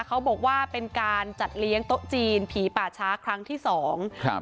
เขาบอกว่าเป็นการจัดเลี้ยงโต๊ะจีนผีป่าช้าครั้งที่สองครับ